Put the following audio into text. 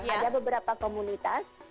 ada beberapa komunitas